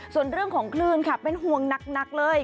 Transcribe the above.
ส่วนเรื่องของคลื่นค่ะเป็นห่วงหนักเลย